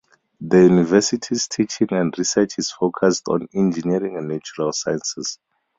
The university's teaching and research is focused on engineering and natural sciences.